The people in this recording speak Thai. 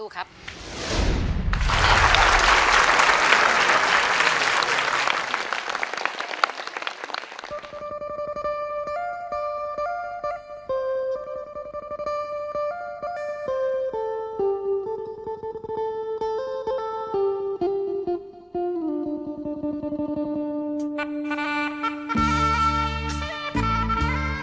ขอบคุณครับ